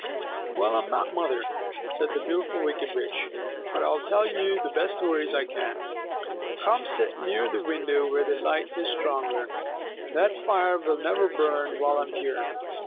"Well, I am not mother," said the Beautiful Wicked Witch; "but I will tell you the best stories I can. Come sit near the window where the light is stronger. That fire will never burn while I am here.